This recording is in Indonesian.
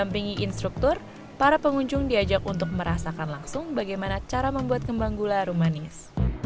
di samping instruktur para pengunjung diajak untuk merasakan langsung bagaimana cara membuat kembang gula aru manis